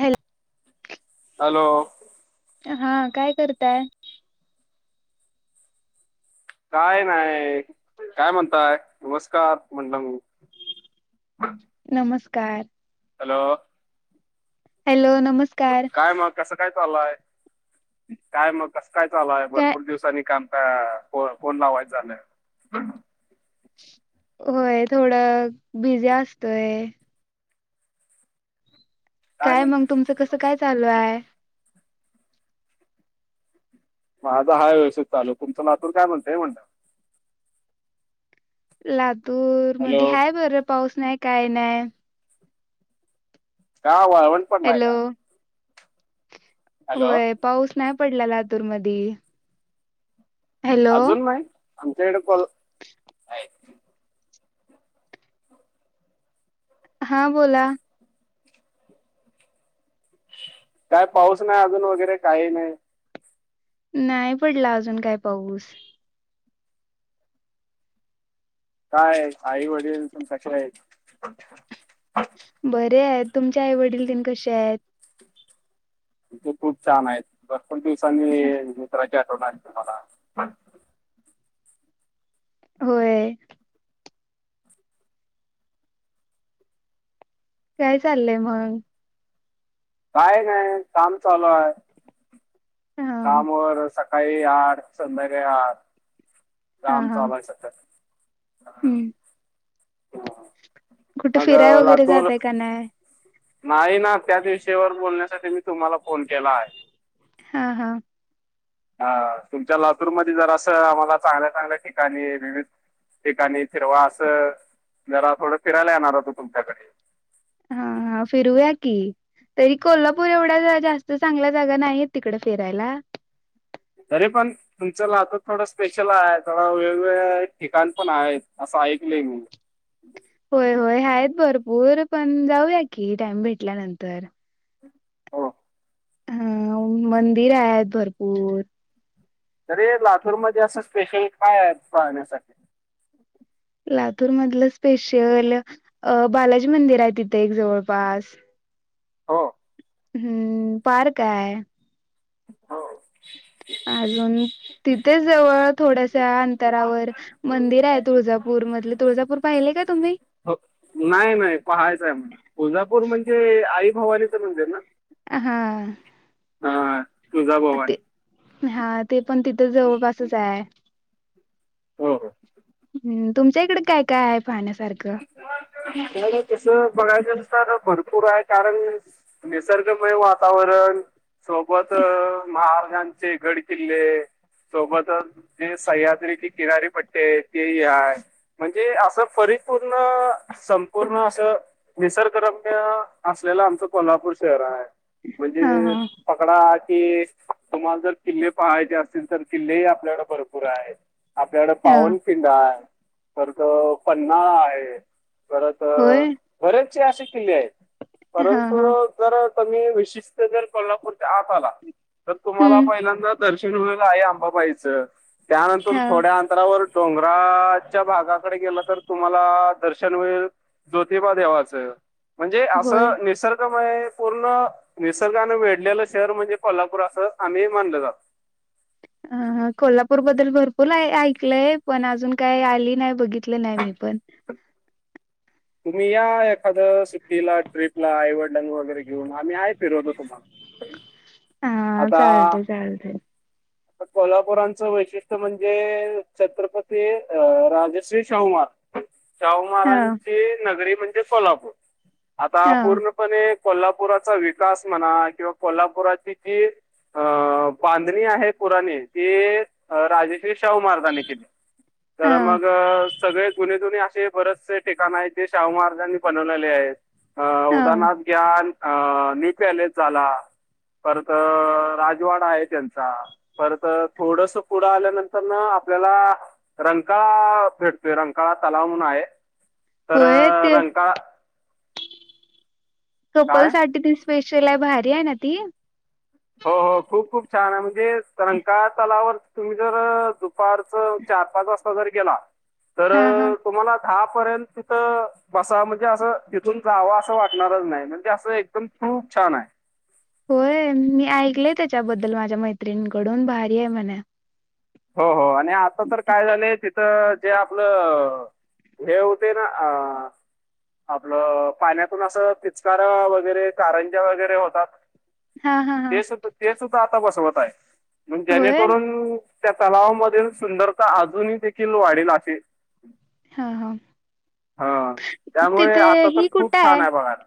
Hello hello हा काय करताय काय नाही काय म्हणताय नमस्कार म्हटलं नमस्कार हॅलो हॅलो नमस्का काय मग कसं काय चाललंय? काय मग कसं काय चालू आहे? काय भरपूर दिवसांनी काम अ को फोन लावायचं झालंय. होय, थोडं बिझी असतोय. काय मग तुमचं कसं काय चालू आहे? माझा आहे व्यवस्थीत चालू. तुमचं लातूर काय म्हणतंय मग? लातूर मध्ये हॅलो हाय बरं, पाऊस नाय काय नाय. का वाळवंट हॅलो. हॅलो होय, पाऊस नाही पडला लातूर मधी. हॅलो अजून नाही. आमच्या इकडे कोल हा बोला. काय पाऊस नाही अजून वगैरे काही नाही. नाही पडला अजून काय पाऊस. काय आई वडील पण कशी आहेत? बरे आहेत. तुमच्या आई वडील तेन कसे आहेत? ते खूप छान आहेत. भरपूर दिवसांनी अच्छा. मित्राची आठवन आली तुम्हाला. होय. काय चाललंय मग? काय नाही काम चालू आहे. हा कामावर सका अरे यार! संध्याकाळी यार काम चालू आहे सं हम. हा. कुठे फिराय वगैरे जाताय का नाय? नाही ना, त्याच विषयावर बोलण्यासाठी मी तुम्हाला फोन केलाय. हा हा. हा. तुमच्या लातूरमध्ये जरासं आम्हाला चांगल्या चांगल्या ठिकाणी विविध ठिकाणी फिरवा असं. जरा थोडं फिरायला येणार होतो तुमच्याकडं. हा हा फिरूया की. तरी कोल्हापूर एवढ्या जास्त चांगल्या जागा नाहीय तिकडं फिरायला. तरी पण तुमंच लातुर थोडं स्पेशल हाय, थोड वेगवेगळ्या ठिकाण पण आहेत असं ऐकलं मी. होय होय आहेत भरपूर, पण जाऊया की टाइम भेटल्यानंतर. हो हम्म मंदिर आहेत भरपूर. तरी लातूरमध्ये असं स्पेशल काय आहे पाहण्यासाठी? लातूर मधलं स्पेशल, अ बालाजी मंदिर आहे तिथं एक जवळपास. हो. हम्म पार्क हाय. हो. अजून तिथेच जवळ थोड्याश्या अंतरावर मंदिर आहे तुळजापूर मधलं. तुळजापूर पाहिले का तुम्ही? हो नाही नाही पहायचंय. तुळजापूर म्हणजे आई भवानीचं मंदिर ना. हा. हा. ते हा ते पण तिथं जवळपासच हाय. हो हो. हम् तुमच्या इकडे काय काय आहे पाहण्यासारखं? नाही नाही तस बघायच नुसार भरपूर आहे कारण. निसर्गमय वातावरण सोबत महाराजांचे गड किल्ले. सोबतच जे सह्याद्रीची किनारी पट्टी तेही हाय. म्हणजे असं परिपूर्ण संपूर्ण असं निसर्गरम्य असलेलं आमचं कोल्हापूर शहर आहे. ह म्हणजे ह पकडा कि तुम्हाला जर किल्ले पहायचे असतील तर किल्लेही आपल्याकडे भरपूर आहेत. आपल्याकडे अ पावनपखिंड आहे. परत पन्हाळा आहे परत होय. बरेचचे असे किल्ले आहेत. हा हा परंतु तर तुम्ही विशिष्ट जर कोल्हापूरच्या आत आला तर तुम्हाला हम्म पहिल्यांदा दर्शन देऊळ आहे आई अंबाबाईचं त्यानंतर हा थोड्या. जरावर डोंगराच्या भागाकडे गेलं तर तुम्हाला दर्शन होईल ज्योतिबा देवाचं. म्हणजे होय असं निसर्गमय पूर्ण निसर्गानने वेढलेलं शहर म्हणजे कोल्हापूर असं आम्ही मानलं जात. हा हा कोल्हापूर बद्दल भरपूर ऐकलंय पण अजून काही आली नाही बघितलं नाही मी पण. तुम्ही या एखाद सुट्टीला ट्रिपला आईवडलां वगैरे घेऊन आम्ही आहे फिरवतो तुम्हाला. हा आता. चालते चालते कोल्हापुरांचं वैशिष्ट्य म्हणजे छत्रपती अ राजश्री शाहू महाराज. शाहू हा महारांची नगरी म्हणजे कोल्हापुर आता हा पूर्ण पणे कोल्हापुराचा विकास म्हणा किंवा कोल्हापुराची ती अ बांधणी आहे पुराने ती अ राजेश्री शाहू महाराजांनी केली. हा तर मग सगळे जुने धुणे असे बरेचसे. ठिकाण आहे ते शाहू महाराजांनी बनवलेले आहेत अ हा उदारनाथ यात न्यू पॅलेस झाला. परत. राजवाड आहे त्यांचा परत थोडस पुढं आल्यानंतर न आपल्याला रंकाळा भेटतोय रंकाळा तलाव म्हणून आहे तर होय ते रंकाळा कपल काय साठी ती स्पेशल आहे भारी आहे ना ती. हो हो खूप खूप छान आहे म्हणजे रंकाळा तलावर तुम्ही जर दुपारच चार पाच वाजता जर गेला तर हा हा तुम्हाला दहा पर्यंत तिथं बसाव म्हणजे असं तिथून जावं असं वाटणारच नाही म्हणजे असं एकदम खूप छान आहे. होय मी ऐकलय त्याच्याबद्दल माझ्या मैत्रिणीकडून भारी आहे म्हण. हो हो आणि आता तर काय झालेय तिथं जे आपलं हे होते ना अ आपलं पाण्यातून असं फिचकार वगैरे कारंजा वगैरे होतात. हा हा हा ते सुद्धा ते सुद्धा आता बसवत आहे म्हण होय जेणेकरून त्या तलावामधील सुंदरता अजूनही देखील वाढेल असे. हा हा हा त्यामुळे तिथे आता तर खूप छान आहे बघायला.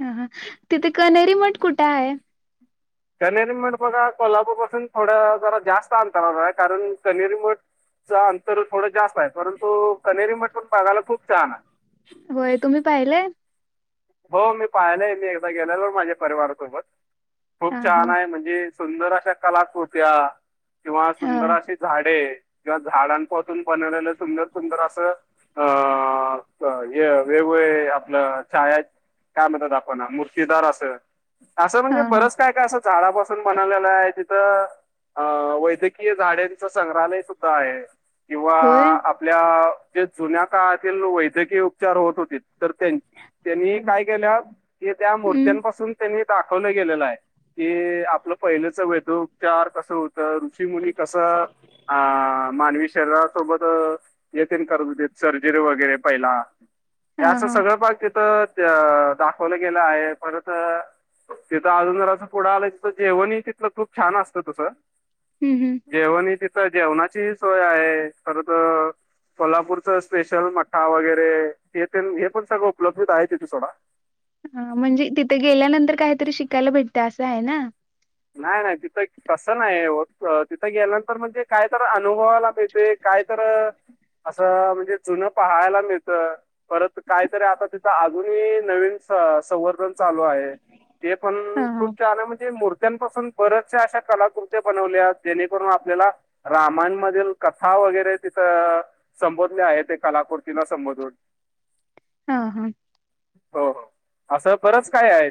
ह ह तिथे कनेरी मठ कुठे आहे? कनेरीमठ बघा कोल्हापूरपसून थोड्या जरा जास्त अंतरावर आहे कारण कनेरीमठ च अंतर थोडं जास्त आहे परंतु कनेरीमठ पण बघायला खूप छान आहे. होय तुम्ही पाहिलय? हो मी पाहिलंय मी एकदा गेलेलो माझ्या परिवारासोबत, खूप हा छान हा आहे म्हण जे सुंदर अशा कलाकृत्या, किंवा हा सुंदर अशी झाडे, किंवा झाडांपोसून बनवलेलं सुंदर सुंदर असं अ, हे वेगवेगळे आपलं छाया काय म्हणतात आपण मूर्तीदार असं, असं हा म्हणजे हा बरंच काय काय असं झाडापसून बनवलेला आहे तिथं. अ वैद्यकीय झाडांच संग्रहालय सुद्धा आहे, किंवा होय. आपल्या जे जुन्या काळातील वैद्यकीय उपचार होत होतीत तर त्या - त्यांनी काय केल्यात, ते त्या हम्म मूर्त्यांपासून त्यांनी दाखवलं गेलेलं आहे. की आपलं पहिलेच वैदोउपचार कसं होतं ऋषीमुनी कसं या मानवी शरीरा सोबत ये तेन करत होतीत सर्जरी वगैरे पहिला, हा असं हा सगळं पाक तिथ ते दाखवलं गेलं आहे, परत तिथं अजून जरासं पुढं आलं की जेवणही तिथल खूप छान असतं तसं. हम् हम. जेवण हि तिथं जेवणाची सोय आहे, खरं तर कोल्हापूरच स्पेशल मठ्ठा वगैरे हे तेन हे पण सर्व उपलब्धीत आहे तिथ सोडा. हां म्हणजे तिथं गेल्यानंतर काहीतरी शिकायला भेटत असं आहे ना. नाही नाही तिथं तसं नाही ओ अ तिथं गेल्यानंतर म्हणजे काय तर अनुभवायला मिळतंय. काय तर, असं म्हणजे जुनं पहायला मिळत. परत काय तरी आता तिथं अजूनही नवीन स - संवर्धन चालू आहे. ते पण हा हा खूप छान आहे म्हणजे मूर त्यांनपासून बरेचशा अशा कलाकृत्या बनवल्या जेणेकरून आपल्याला रामायन मधील कथा वगैरे तिथं संबोधले आहे ते कलाकृतीना संबोधून. हा हा. हो हो, असं बरच काय आहे.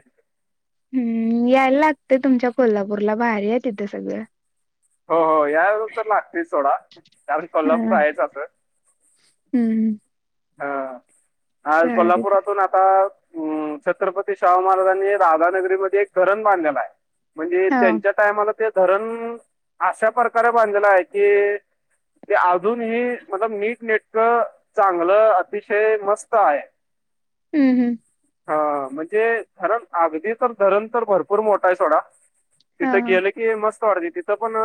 हम्म यायला लागतंय तुमच्या कोल्हापूरला भारी हाय तिथ सगळं. हो हो यायला तर लागतयच सोडा, कारण हा कोल्हापूर आहेच असं. हम्म. हा आज चालेल कोल्हापुरातून आता, अम छत्रपती शाहू महाराजांनी राधानगरीमध्ये एक धरण बांधलेला आहे. म्हणजे हा त्यांच्या टायमाला ते धरण, अशा प्रकारे बांधलेलं आहे की ते अजूनही मतब नीट नेटकं चांगलं अतिशय मस्त आहे. हम्म हम्म. हा म्हणजे धरण अगदी तर धरण तर भरपूर मोठा आहे सोडा. हा तिथं हा गेलं की मस्त वाटतय तिथं पण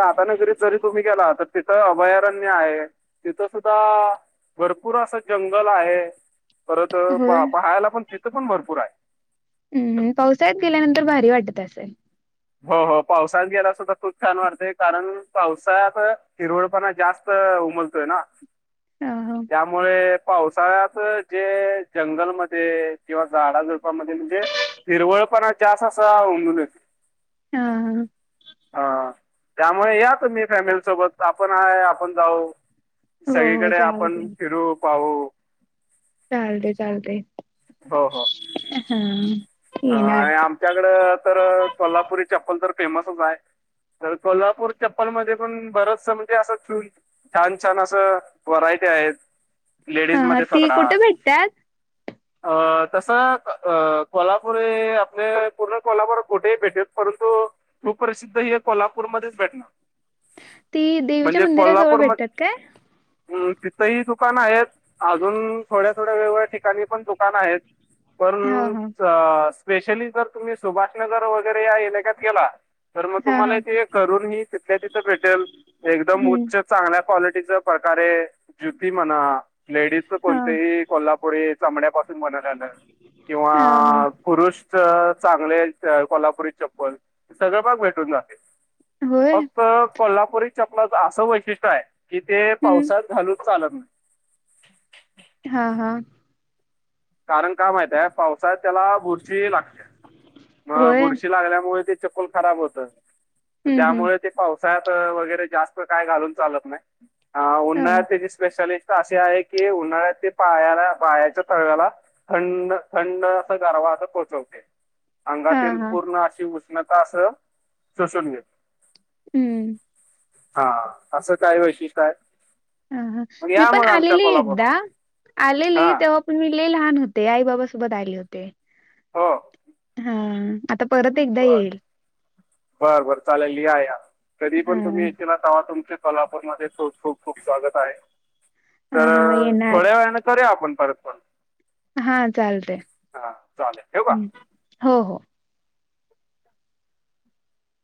राधानगरीत जरी तुम्ही गेला तर तिथं अभयारण्य आहे, तिथं सुद्धा, भरपूर असं जंगल आहे. परत होय पा पहायला पण तिथं पण भरपूर आहे. हम्म पावसाळ्यात गेल्यानंतर भारी वाटत असल? हो हो पावसाळ्यात गेला सुद्धा खूप छान वाटतय कारण पावसाळ्यात हिरवळपणा जास्त त उमलतोय ना हा हा त्यामुळे पावसाळ्यात जे जंगलमध्ये किंवा झाडाझूडपामध्ये म्हणजे हिरवळपणा जास असा उम हम्म ह हा त्यामुळे या तुम्ही फॅमिली सोबत आपण आहे आपण जाऊ- हो हो सगळीकडे आपण चालते फिरू, पाहू चालतंय चालतंय. हो हो. हा येणार [unintelligible] त्यांच्याकडे तर कोल्हापुरी चप्पल तर फेमसच हाय. तर कोल्हापूर चप्पल मध्ये पण बरचस म्हणजे असं - छान छान असं व्हरायटी आहेत. हा लेडीज हा मध्ये ती पकडा कुठे भेटतात? अ तस अ कोल्हा पुरे आपल्या पूर्ण कोल्हापुरात कोठेही भेटेत परंतु कु सुप्रसिद्ध हे कोल्हापूरमध्येच भेटणार ती देवीच्या म्हणजे मंदिराजवळ कोल्हापूर म भेटतात काय? हम्म तिथंही दुकान आहेत. अजून थोड्या थोड्या वेगवेगळ्या ठिकाणी पण दुकान आहेत. हा पण हा स्पेशली जर तुम्ही सुभाषनगर वगैरे या एलेकात गेला. तर मग हा तुम्हाला हा इथे करून ही तिथल्या तिथं भेटेल एकदम हम्म उच्च चांगल्या क्वालिटीच प्रकारे ज्युती म्हणा लेडीजच हा कोणतही कोल्हापुरी चमड्यापासून बनवल्या जातात किंवा हा हा पुरुष च चांगले कोल्हापुरी चप्पल सगळे भाग भेटून जाते. होय फक्त कोल्हापुरी चपला च असं वैशिष्ट्य आहे. कि ते हम्म पावसात घालून चालत नाही. हा हा कारण का माहित आहे पावसाळ्यात त्याला बुरशी लागत्या. मग होय बुरशी लागल्यामुळे ते चप्पल खराब होत. हम्म हम्म त्यामुळे ते पाऊस साळ्यात वगैरे जास्त काय घालून चालत नाही. आ हा उन्हाळ्यांत त्याची स्पेशा असे आहे की उन्हाळ्यात पायाला पायाच्या तळव्याला- थंड थंड असा गरवा अस पोचवते हा अंगातील हा पूर्ण अशी- उष्णता अस शोषुण हम्म हा असं काय वैषीष्ट काय हा ह मी पण आलेली एकदा कोल्हापूरला आलेली हा तेव्हा- पण मी लय लहान होते आई बाबासोबत आले होते. हो हो हा आता परत एकदा येईल. बर बर चालेल या या कधी हा पण तुम्ही याेत ना. तेव्हा तुमचे कोल्हापूर मध्ये खूप खूप स्वागत आहे. हा तर हा येणार थोड्या वेळने करूया आपण परत परत- हा चालतंय चालेल ठेवू का हो हो